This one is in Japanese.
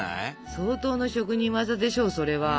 相当の職人技でしょうそれは。